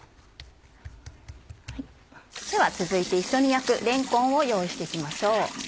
では続いて一緒に焼くれんこんを用意して行きましょう。